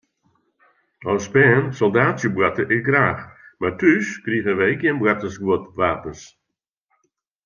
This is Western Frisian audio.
As bern soldaatsjeboarte ik graach, mar thús krigen wy gjin boartersguodwapens.